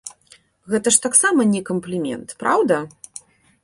Гэта ж таксама не камплімент, праўда?